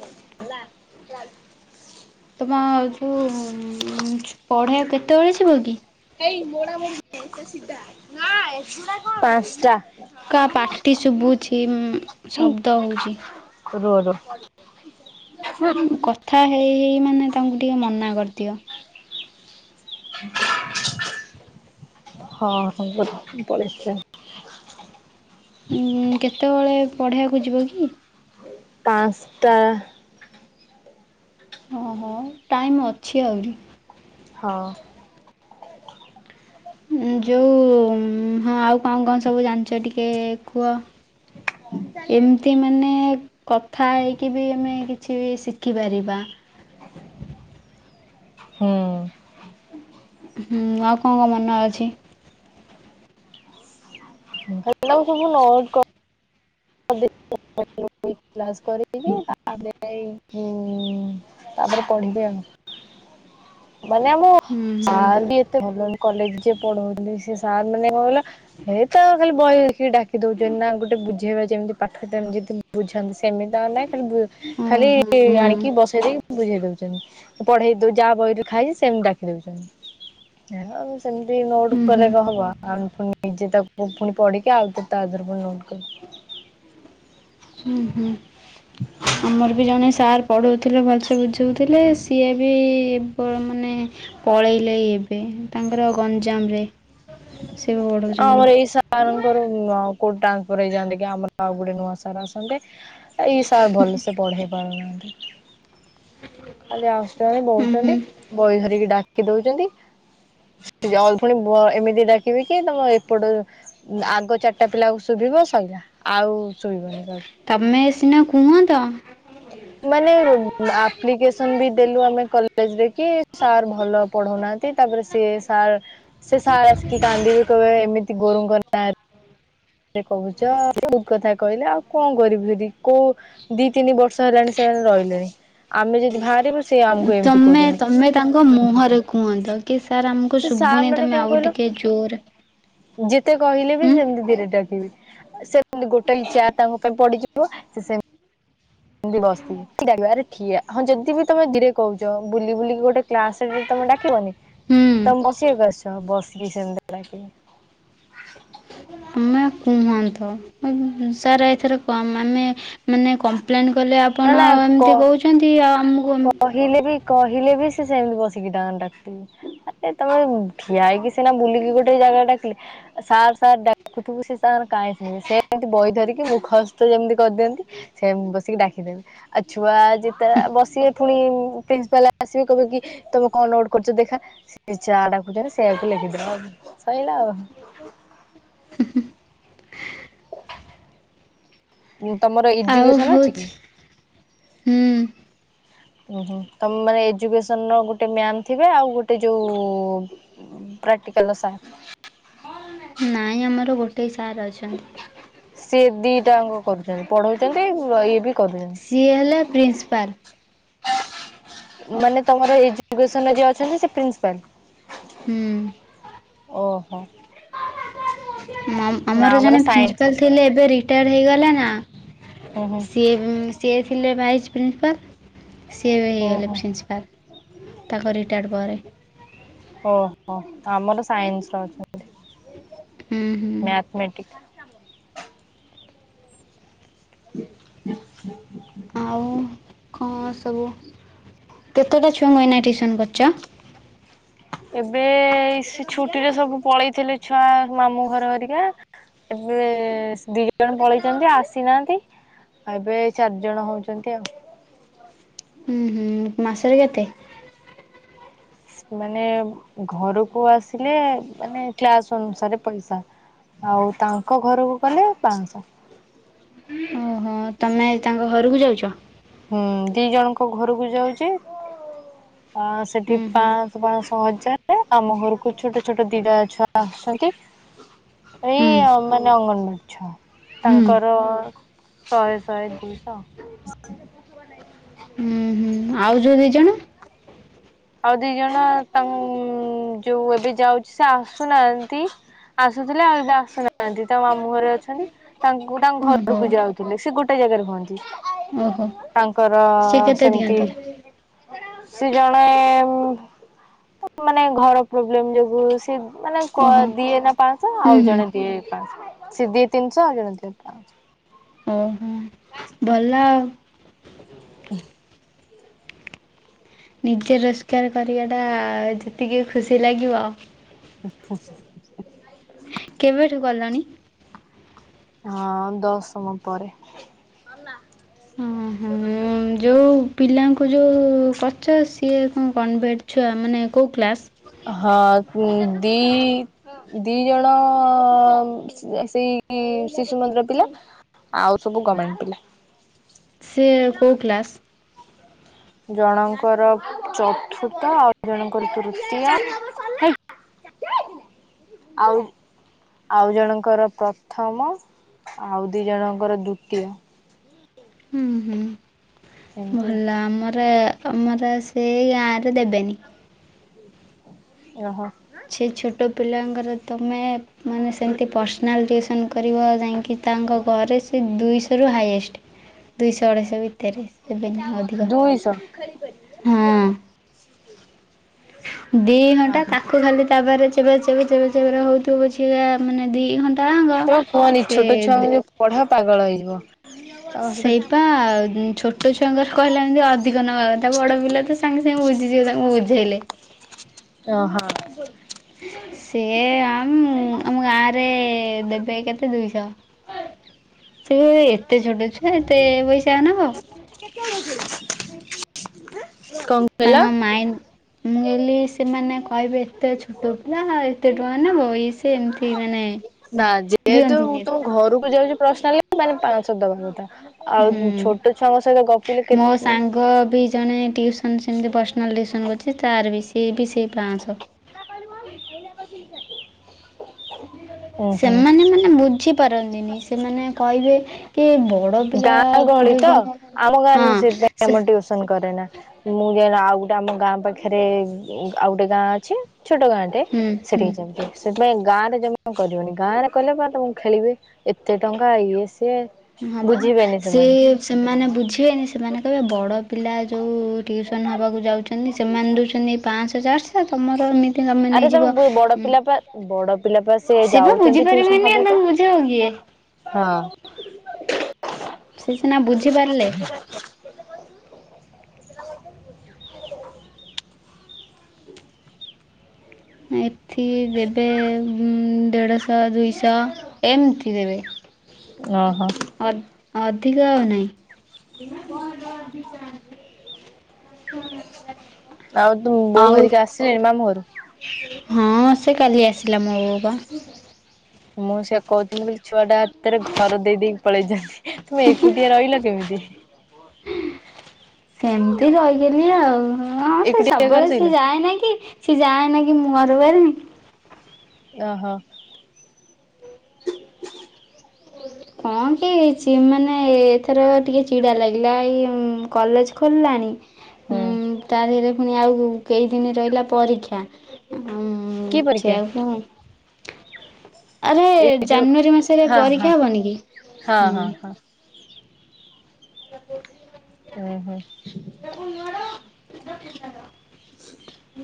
ତମ ଯୋଉ ଉଁ ପଢେଇବା କେତେବେଳେ ଯିବ କି? ପାଞ୍ଚଟା। କା ପାଟି ଶୁଭୁଛି ଶବ୍ଦ ହଉଚି। ରୁଅ ରୁଅ। କଥା ହେଇ ହେଇ ମାନେ ତାଙ୍କୁ ଟିକେ ମନା କରିଦିଅ। [inaudible] ହଁ ହ ପଳେଇଛ। [unintelligible] ଉଁ କେତେବେଳେ ପଢ଼େଇବାକୁ ଯିବ କି? ପାଞ୍ଚଟା। ହଁ ହୋ ଟାଇମ୍ ଅଛି ଆହୁରି। ହଁ। ଯୋଉ ହଁ ଆଉ କଣ କଣ ସବୁ ଜାଣିଛ ଟିକେ କୁହ? ଏମିତି ମାନେ କଥା ହେଇକି ବି ଆମେ କିଛି ଶିଖିପାରିବା। ହୁଁ। ହଁ ମନ ଅଛି। ସୋକୁ ସବୁ ନ [unintelligible] [unintelligible] ତାପରେ ପଢିବେ ଆଉ। ମାନେ ଆମ ହୁଁ ହୁଁ। ସାର୍ ବି ଏତେ ଭଲ ନାହିଁ। କଲେଜ ଯିଏ ପଢଉଛନ୍ତି ସେ ସାର୍ ମାନେ କ କହିଲ ହେ ତ ଖାଲି ବହି ଦେଖିକି ଡାକି ଦଉଛନ୍ତି ନା ଗୋଟେ ବୁଝେଇବା ଯେମିତି ପାଠଟମି ବୁଝାନ୍ତି କେମିତି ନାଇଁ ଖାଲି ଖାଲି ଓହୋ ହୁଁ ଆଣିକି ବସେଇଦେଇକି ମୁ ବୁଝେଇଦଉଛି। ପଢେଇ ଦଉ ଯାହା ବହିରେ ଖାଇଛି ସେମିତି ଡକି ଦଉଛନ୍ତି। ସେମତି ନୋଟ ହୁଁ କଲେ ହୁଁ ହବ ଆମେ ଫୁଣି ନିଜେ ତାକୁ ପୁଣି ପଢିକି ଆଉ ତ ତା ଦେହରେ ପ ନୋଟ କରୁ। ହୁଁ ହୁଁ। ଆମ ଆମର ବି ଜଣେ ସାର୍ ପଢ଼ଉଥିଲେ ଭଲସେ ବୁଝାଉଥିଲେ ସିଏ ବି ମାନେ ପଳେଇଲେ ଏବେ ତାଙ୍କର ଗଞ୍ଜାମରେ। ସେ ଆ ପଢ଼ଉଛନ୍ତି ଆମର ଏଇ ସାରଙ୍କରଉ କୋଟ ଟ୍ରାନ୍ସଫର୍ ହେଇଯାଆନ୍ତି କି ଆମର ଆଉ ଗୋଟେ ନୂଆ ସାର୍ ଆସନ୍ତେ ଏଇ ସାର୍ ଭଲସେ ପଢ଼େ ପାରୁନାହାନ୍ତି ଖାଲି ଆସୁଛନ୍ତି ବହୁଛନ୍ତି ବହି ଧରିକି ଡାକ ଡାକି ଦଉଛନ୍ତି। ପୁଣି ଏମିତି ଡାକିବେ କି ତମ ଏପଟ ଆଗ ଚାରିଟା ପିଲାକୁ ସୁଭି ଶୁଭିବ ଶଇଲା ଆଉ ସୁଭିବନି। ତମେ ସିନା କୁହ ନ୍ତ। ମାନେ ଆପ୍ଲିକେସନ ବି ଦେଲୁ ଆମେ କଲେଜରେ କି ସାର୍ ଭଲ ପଢଉନାହାନ୍ତି ତାପରେ ସିଏ ସାର୍ ସେ ସାର ଆସିକି କାନ୍ଦିବି କହିବ ଏମିତି ଗୁରୁ ଙ୍କ ନା ରେ କହୁଛ ବହୁତ କଥା କହିଲେ ଆଉ କଣ କରିବି ଫରି କୋଉ ଦି ତିନି ବର୍ଷ ହେଲାଣି ସେ ରହିଲେଣି ଆମେ ଯଦି ଭାରିବୁ ତମେ, ତମେ ତାଙ୍କ ମୁହଁରେ କୁହନ୍ତ, କି ସାର ସେ ସାର୍ ମାନେ କଣ କହିଲ, ଯେତେ କହିଲେ ବି ହୁଁ ସେମିତି ଧରେ [unintelligible] ଡାକିବି ସେମତି ଗୋଟେ ଚେୟାର ତାଙ୍କ ପାଇଁ ପଡିଯିବ ସେ ସେ ଏମତି ବସିକି, ଆରେ ଠିଆ, ହଁ ଯଦି ବି ତମେ ଧୀରେ କହୁଛ ବୁଲି ବୁଲିକି ଗୋଟେ କ୍ଲାସ ତମେ ଡାକିବନି, ହୁଁ ତମେ ବସିବାକୁ ଆସଛ ବସ କ [unintelligible] ଆମେ କୁହନ୍ତୁ, ସାର ଏଥରେ କମ ମାନେ ମାନେ କମ୍ପ୍ଲେନ୍ କଲେ, ନା ଆପଣ ନା କ ଏମିତି କହୁଛନ୍ତି ଆଉ ମୁଁ କହିଲେ ବି, କହିଲେ ବି, ସେ ସେମିତି ବସିକି ଡାନ ଡାକିବ। ତମେ ଠିଆ ହେଇକି ସିନା ବୁଲିକି ଗୋଟେ ଜାଗା ଡାକିଲେ, ସାର୍ ସାର୍ ଡାକୁଥିବ ସେ କାହିଁ ସେ ସେମିତି ବହି ଧରିକି ମୁଁଖଷ୍ଟ ଯେମିତି କରିଦିଅନ୍ତି, ସେ ବସିକି ଡାକିଦେବେ, ଆଉ ଛୁଆ ଯେତେବେଳେ ବସ ପୁଣି ପ୍ରିନ୍ସିପାଲ ଆସିଵେ କହେ କି, ତମେ କଣ ନୋଟ୍ କରିଛ ଦେଖା ସେ ଚା ଡାକୁଛ ସେ ହକ୍ର ସାଇିଲ [unintelligible] [unintelligible] ତମର ଆଉ ଏଜୁକେସନ ଅଛି କି? ହେଉଛି ହୁଁ ଉ ହୁଁ, ତମେ ମାନେ ଏଜୁକସନ ର ଗୋଟେ ମାନ ଥିବେ ଆଉ ଗୋଟେ ଯୋଉ ଆଟିକଲ ନ ସା [unintelligible] ନାଇଁ, ଆମର ଗୋଟେ ସାର୍ ଅଛନ୍ତି। ସିଏ ଦିଟାଙ୍କ କରୁଛନ୍ତି, ପଢଉଛନ୍ତି ଇଏ ବି କରୁଛନ୍ତି। ସିଏ ହେଲେ ପ୍ରିନ୍ସିପାଲ। ମାନେ ତମର ଏଜୁକେସନ ଯିଏ ଅଛନ୍ତି, ସେ ପ୍ରିନ୍ସପାଲ। ହୁଁ ଓହୋ। ନା ଆମର ଜଣେ ସାଇନ୍ସର ପ୍ରିନ୍ସିପାଲ ଥିଲେ ଏବେ ର ହେଇଗଲା ନା, ହୁଁ ହୁଁ ସି ସିଏ ଥିଲେ ଭାଇସ୍ ପ୍ରିନ୍ସିପାଲ ସିଏ ବି ହୁଁ ହେଇଗଲେ ହୁଁ। ପ୍ରିନ୍ସିପାଲ, ତାଙ୍କ ରିଟାୟାର୍ଡ଼ ପରେ ଓହୋ ଆମର ସାଇନ୍ସ ର ଅଛନ୍ତି, ହୁଁ ହୁଁ ମାଥମେଟିକ୍ [inaudible] ହ ହ [unintelligible] ଆଉ କଣ ସଙ୍ଗଇନା ଟଟିୁସନ୍ କରଛ [unintelligible] ଏବେ ସେ ଛୁଟି ରେ ସବୁ ପଳେଇଥିଲେ ଛୁଆ, ମାମୁଁ ଘର ହେରିକା ଏବେ ଦି ଜଣ ପଳେଇଛନ୍ତି, ଆସିନାହାନ୍ତି। ଉ ଏବେ ଚାରି ଜଣ ହଉଛନ୍ତି ଆଉ ହୁ ହୁ ମାସରେ କେତେ? ମାନେ ଘରକୁ ଆସିଲେ, ମାନେ କ୍ଲାସ ଅନୁସାରେ ପଇସା। ଆଉ ତାଙ୍କ ଘରକୁ ଗଲେ ପାଞ୍ଚଁଶହ। ଓହୋ ତମେ ତାଙ୍କ ଘରକୁ ଯାଉଛ? ହୁଁ ଦି ଜଣଙ୍କ ଘରକୁ ଯାଉଛି। ଅ ସେଠି ହୁଁ ହୁଁ ପାଞ୍ଚ, ପାଞ୍ଚଶ ହଜାର ଆମ ଘରକୁ ଛୋଟ ଛୋଟ ଦିିଲା ଛୁଆ ଆସୁଛନ୍ତି। ହୁଁ ଏଇ ମାନେ ଅଙ୍ଗନବାଡ଼ି ଛୁଆ, ହୁଁ ତାଙ୍କର ଶହେ, ଶହେ, ଦୁଇଶହ। ନାଇକ ହୁଁ [unintelligible] ହୁଁ ଆଉ ଯୋଉ ଦି ଜଣ ଆଉ ଦି ଜଣ ତାଙ୍କ ଯୋଉ ଏବେ ଯାଉଛି ସେ ଆସୁନାହାନ୍ତି ଆସୁଥିଲେ ଆଉ ଏବେ ଆସୁନାହାନ୍ତି। ତା ମାମୁଁ ଘରେ ଅଛନ୍ତି, ତାଙ୍କୁ ମୁଁ ତାଙ୍କ ଓହୋ ଘରକୁ ଯାଉଥିଲି, ସେ ଗୋଟେ ଜାଗାରେ ହୁଅନ୍ତି। ଓହୋ। ତାଙ୍କର ସେ କେତେ ସେମିତି ଦିଅନ୍ତି? ସେ ଜଣେ ମାନେ, ଘର ପ୍ରୋବ୍ଲେମ ଯୋଗୁ, ସେ ମାନେ କ ଓହୋ। ଦିଏ ନା ପା ହୁଁ ଆଉ ହୁଁ। ଜଣେ ଦିଏ ପାଞ୍ଚ ସେ ଦି ତିନିଶହ ଆଉ ଜଣେ ଦି ପାଞ୍ଚ ଓହୋ। ଭଲ ଆଉ ନିଜେ ରୋଜଗାର କରିବା ଟା ଯେତିକି ଖୁସି ଲାଗିବ [inaudible] କେବେଠୁ କଲଣି? ହଁ ଦଶମ ପରେ ଓହୋ ଯୋଉ ପିଲାଙ୍କୁ ଯୋଉ କରୁଚ ସିଏ କଣ କନଭେଟ୍ ଛୁଆ ମାନେ କୋଉ କ୍ଲାସ୍? ହଁ ଦି ଦି ଜଣ ସେଇ ଶିଶୁ ମନ୍ଦିର ପିଲା। ଆଉ ସବୁ ଗର୍ମେଣ୍ଟ ପିଲା। ସେ କୋଉ କ୍ଲାସ? ଜଣଙ୍କର ଚତୁର୍ଥ, ଆଉ ଜଣଙ୍କର ତୃତୀୟା ଆଉ ଆଉ ଜଣଙ୍କର ପ୍ରଥମ। ଆଉ ଦି ଜଣଙ୍କର ଦୁତିୟ। ହୁଁ ହୁଁ ଭଲ ଆମର ଆମର ସେ ଗାଁ ରେ ଦେବେନି। ଓହୋ। ସେ ଛୋଟ ପିଲାଙ୍କର ତୁମେ ମାନେ ସେମିତି ପର୍ସନାଲ୍ ଟିୁସନ୍ କରିବ ଯାଇକି ତାଙ୍କ ଘରେ ସେ ଦୁଇଶହରୁ ହାଇଏଷ୍ଟ ଦୁଇଶହ ଅଢ଼େଇଶହ ଭିତରେ ଦେବେନି ଅଧିକ। ଦୁଇଶହ ହଁ। ଦି ଘଣ୍ଟା ଓହୋ ତାକୁ ଖାଲି ତାପରେ ଚବେ ଚବେ ଚବେରେ ହଉଥିବ ପଛରେ ମାନେ ଦି ଘଣ୍ଟା ଯାକ କଣ କୁହନି ସେ ଛୋଟ ଛୁଆ ମାନଙ୍କୁ ପଢେଇବା ପାଗଳ ହେଇଯିବ। ତମ ସେଇପା ସହିତ ଛୋଟ ଛୁଆଙ୍କର କହିଲା ଏମିତି ଅଧିକ ନବାକଥା ବଡ ପିଲା ତ ସାଙ୍ଗେ ସାଙ୍ଗେ ବୁ ବୁଝିଯିବ ତାଙ୍କୁ ମୁଁ ବୁଝେଇଲେ। ହଁ। ସିଏ ଆମ୍ ଆମ ଗାଁରେ ଦେବେ କେତେ ଦୁଇଶହ। ସେ ଏତେ ଛୋଟ ଛୁଆ ଏତେ ପଇସା ନବ। କଣ କହିଲ? ତାଙ୍କ ମାଇଣ୍ଡ ମୁଁ କହିଲି ସେମାନେ କହିବେ ଏତେ ଛୋଟ ପିଲା ଏତେ ଟଙ୍କା ନେବ ଇଏ ସିଏ ଏମିତି ମାନେ ନା ଯେହେତୁ ଦିଅନ୍ତିନି ତମ ଘରକୁ ଯାଉଛି ପ୍ରସ୍ନାଲି ମାନେ ପାଁଶ ଦବା କଥା। ହୁଁ ଆଉ ଛୋଟ ଛୁଆଙ୍କ ସହିତ ଗପିଲେ ମୋ କେତେ ସାଙ୍ଗ ବି ଜଣେ ଟିଉସନ୍ ସେମିତି ପର୍ସନାଲି ଟିଉସନ୍ କରୁଛି, ତାର ବି ସେ ବି ସେଇ ପାଆଁଶ। [inaudible] ଉଁ ହୁଁ ସେମାନେ ମାନେ ବୁଝିପାରନ୍ତିନି, ସେମାନେ କହିବେ କି ବଡ଼ ପିଲା ଗାଁ ଗହଳି ତ ଟିଉସନ୍ ଆମ ଗାଁରେ ହଁ ମୁଁ ସେଥିପାଇଁ ଆମ ସେ ଟ୍ୟଉସନ କରେନା ମୁଁ ଯାଇ ଆଉ ଆମ ଗାଁ ପାଖରେ ଆଉ ଗୋଟେ ଗାଁ ଅଛି ଛୋଟ ଗାଁଟେ ହୁଁ ସେଠି ହୁଁ ଯାଇକି ଆସେ। ସେଥିପାଇଁ ଗାଁରେ ଜମା ତମେ କରିବନି ଗାଁରେ କରିଲେ ବା ତମକୁ ଖେଳିବେ ଏତେ ଟଙ୍କା ଇଏ ସି ହଁ ୟେସ୍। ସେ ସେମାନେ ବୁଝିବେନି ସେମାନେ କହିବେ ବଡ଼ ପିଲା ଯେଉ ଟ୍ୟୁସନ୍ ହେବାକୁ ଯାଉଛନ୍ତି ସେମାନେ ଦେଉଛନ୍ତି ପାଁଶ ଚାର୍ ତମର ଏମିତି ତମେ ଆରେ ନେଇଯିବ ବଡ ପିଲା ପା ବଡ ପିଲା ପା ସେ ବା ଯାଉଛନ୍ତି ଟିଉସନ ବୁଝିପାରିବେନି ହବାକୁ। ବୁଝେଇବ କିଏ? ହଁ। ସେ ସିନା ବୁଝିପାରିଲେ। ମୁଁ ମେଡ଼ିସିନ ଖାଉଅଛି। ଏଠି ଦେବେ ଦେଢ଼ଶହ ଦୁଇଶହ ଏମିତି ଦେବେ। ଓହୋ। ଅ ଅଧିକ ଆଉ ନହିଁ। ଚା ହୁଁ। ଆଉ ତୁ ବୋଉ ଘରିକା ଆସିଲେଣି ମାମୁଁ ଘରୁ। ହଁ ସେ କାଲି ଆସିଲା ମୋ ବୋଉପା। ମୁଁ ସେଆ କହୁଥିଲି ମୁଁ କହିଲି ଛୁଆଟା ତାର ଘର ଦେଇ ଦେଇଦେକି ପଳେଇଚନ୍ତି। ତୁମେ ଏକୁଟିଆ ରହିଲ କେମିତି? ସେମିତି ରହିଗଲି ଆଉ। ହଁ ସେ ଏକୁଟିଆ ଘରେ ସବୁବେଳେ ଶୋଇଲ? ସିଏ ଯାଏ ନେଇକି? ସିଏ ଯାଏ ନେଇକି ମୁଁ ଘରେ ରୁହେନି। ଓ ହୋ। କଣ କି ଚିମାନେ ଏଥର ଟିକେ ଚିଡ଼ା ଲାଗିଲା ଏଇ କଲେଜ ଖୋଲିଲାଣି। ଉଁ ହୁଁ ହୁଁ କି ପରୀକ୍ଷା? ଛେଆକୁ ଏଇ ଯୋଉ ହଁ ହଁ ଖା ହବନି କି ହଁ ହୁଁ। ହଁ ହଁ। [unintelligible] ଉୁଁ ହୁଁ [unintelligible]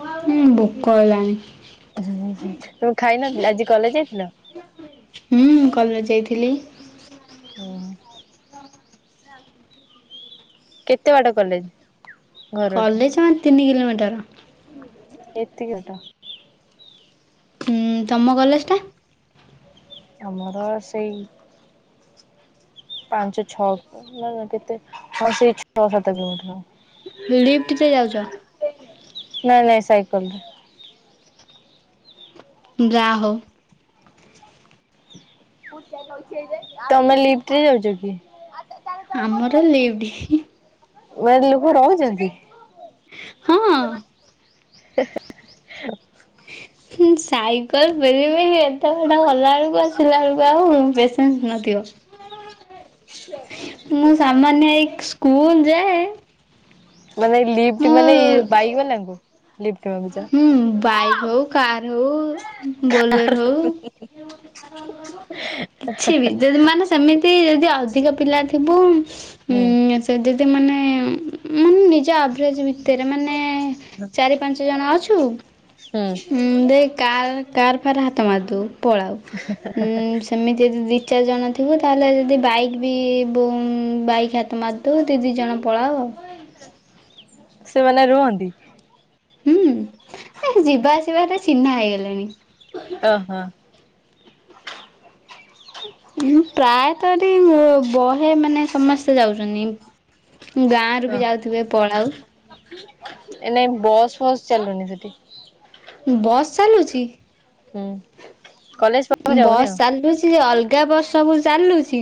ଆଉ [unintelligible] ଦେ ହୁଁ। ହୁଁ ହୁଁ ତମ ଖାଇ ନଥିଲ ଆଜି କଲେଜ ଯାଇଥିଲ। ହୁଁ କଲେଜ ଯାଇଥିଲି। ଉଁ କେତେ ବାଟେ କଲେଜ। କଲେଜ ମାନେ ତିନି କିଲୋମିଟର। [unintelligible] ଏତିକତ। ହୁଁ ତମ କଲେଜଟା। ଆମର ସେଇ ପାଞ୍ଚ ଛଅ [unintelligible] କେତେ ହଁ ସେ ଛଅ ସାତ କିଲୋମିଟର। ଲିଫ୍ଟ ଯେ ଯାଉଚ। ନାଇଁ ନାଇଁ ସାଇକଲରେ। ଯାହା ହଉ। [inaudible] ତମେ ଲିଫ୍ଟରେ ଯାଉଛ କି? [inaudible] ଆମର ଲିଫ୍ଟ। ୱିଡିଓ ଲୋକ ରହିଚନ୍ତି। ହଁ [inaudible] [unintelligible] ସାଇକଲ ମିଳିବନି ଏଥର ତ ଗଲା ବେଳକୁ ଆସିଲା ବେଳକୁ ଆଉ ପେସେନ୍ସ ନଥିବ। ମୁଁ ସାମାନ୍ୟ ଏଇ ସ୍କୁଲ ଯାଏ। ମାନେ ଲିଫ୍ଟ ମୁଁ ମାନେ ଏଇ ବାଇଗ ବାଲାଙ୍କୁ। ଲିଫ୍ଟ ମାଗୁଛ ହୁଁ ବାଇକ୍ ହଉ କାର ହଉ। ବୋଲର ହଉ। [inaudible] [inaudible] କିଛି ବି ଯଦି ମାନେ ସେମିତି ଯଦି ଆ ଅଧିକ ପିଲା ଥିବୁ ହୁଁ ଉଁ ସେ ଦୀନ ସେ ମାନେ ମାନେ ନିଜ ଆଭ୍ରେଜେ ଭିତରେ ମାନେ ଚାରି ପାଞ୍ଚ ଜଣ ଅଛୁ। ହୁଁ ବେ କାର କାର ଫାର ହାତ ମାରଦଉ ପଳାଉ ସେମିତି ଯଦି। ଦି ଦି ଚାରି ଜଣ ଥିବୁ ତାହେଲେ ଯଦି ବାଇକ୍ ବି ବୋ ବାଇକ୍ ହାତ ମାରିଦଉ ଦି ଦି ଜଣ ପଳାଉ। [inaudible] ସେମାନେ ରୁହନ୍ତି। ହୁଁ ଏ ଯିବା ଆସିବାଟା ଚିହ୍ନା ହେଇଗଲାଣି। ଓ ହୋ। ଉଁ ପ୍ରାୟତ ଏଠି ବହେ ମାନେ ସମସ୍ତେ ଯାଉଚନ୍ତି। ଗାଁରୁ ବି ଯାଉଥିବେ ପଳାଉ। ଏ ଲାଇନ ବସ୍ ଫସ୍ ଚାଲୁନି ସେଠି। ବସ୍ ଚାଲୁଚି। ହୁଁ କଲେଜ ପାଖକୁ ଯାଉନି ବସ୍ ଆଉ। ଚାଲୁଚି ଯେ ଅଲ ଗା ବସ ସବୁ ଚାଲୁଚି।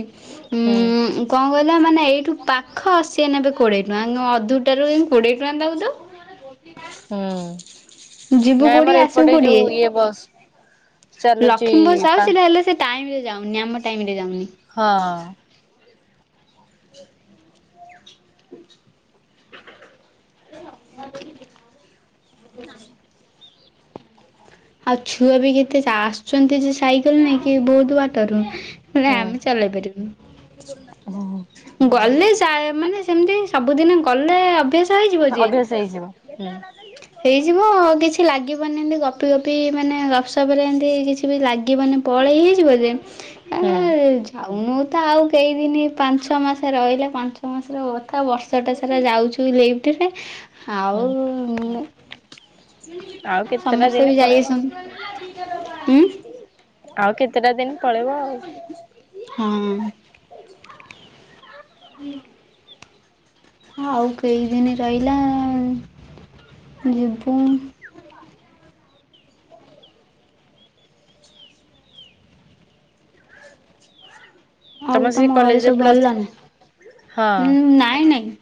ହୁଁ ଉଁ କଣ କହିଲ ମାନେ ଏଇଠୁ ପାଖ ସିଏ ନେବେ କୋଡି [unintelligible] ଅଧୁଟା ରୁ କୋଡି଼ଏ ଟଙ୍କା ତାକୁ ଦବୁ। ହୁଁ ଯିବୁ ନାଇଁ କୋଉଠି ଆମର ଆସିବୁ ଏପଟେ କୋଉଠିଏ। ଯୋଉ ଇଏ ବସ୍ ଚାଲୁଛି ଲକ୍ଷ୍ମୀ ବସ୍ ପା ଯାଉଛି ହେଲେ ସେ ଟାଇମ ରେ ଯାଉନି ଆମ ଟାଇମ ରେ ଯାଉନି ହଁ। [unintelligible] ଆଉ ଛୁଆ ବି କେତେ ଆସୁଛନ୍ତି ଯେ ସାଇକେଲ ନେଇକି ବହୁତ୍ ବାଟରୁ ହେଲେ ହୁଁ ଆମେ ଚାଲ ଯାଇପାରିବୁ। [unintelligible] ଗଲେ ସା ମାନେ ସେମିତି ସବୁଦିନ୍ ଗଲେ ଅଭ୍ୟାସ ହେଇଯିବ ଯେ ଅଭ୍ୟାସ ହେଇଯିବ ହୁଁ। ହେଇଯିବ କିଛି କିଛି ଲାଗିବନି ଏମିତି ଗପି ଗପି ମାନେ ଗପସପ୍ ରେ ଏମିତି କିଛି ବି ଲାଗିବନି ପଳେଇ ହେଇଯିବ ଯେ ଆ ହୁଁ ଯାଉନୁ ତ ଆଉ କେଇଦିନ୍ ପା ପାଞ୍ଚ ମାସ ରହିଲା ପାଞ୍ଚ ମାସର କଥା ବର୍ଷଟା ସାରା ଯାଉଛୁ ଲିଫ୍ଟ ରେ ଆଉ [unintelligible] ଆଉ କେତେଟା ସମସ୍ତେ ଦିନି ବି ଯାଇ ପଳେଇବ ଆସନ୍ତି ଉଁ ଆଉ କେତେଟା ଦିନି ପଳେଇବ ଆଉ ହଁ [inaudible] ଆଉ କେଇଦିନି ରହିଲା ଯିବୁ। ଆଉ ସେ ତମ ଘରେ କଲେଜରେ ସବୁ ଭଲ ପ୍ଲସ ନା ଥ୍ରୀ ହଁ। ନାଇଁ ନାଇଁ।